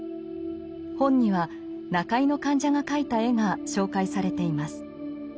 本には中井の患者が描いた絵が紹介されています。